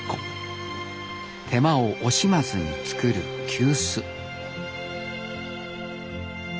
手間を惜しまずに作る急須。